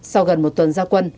sau gần một tuần gia quân